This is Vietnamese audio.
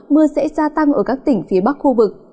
mưa sẽ gia tăng ở các tỉnh phía bắc khu vực